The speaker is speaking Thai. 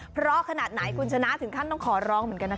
เพราะขนาดไหนคุณชนะถึงขั้นต้องขอร้องเหมือนกันนะคะ